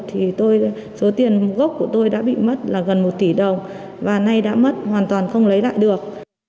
thì số tiền gốc của tôi đã bị mất là gần một tỷ đồng và nay đã mất hoàn toàn không lấy lại được